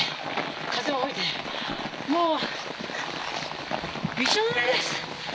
風も吹いてもうびしょぬれです。